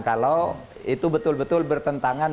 kalau itu betul betul bertentangan